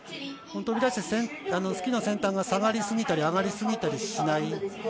飛び出してスキーの先端が下がりすぎたり、上がりすぎたりしない。